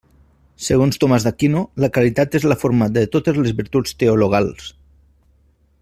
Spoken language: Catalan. Segons Tomàs d'Aquino la caritat és la forma de totes les virtuts teologals.